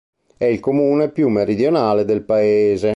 È il comune più meridionale del paese.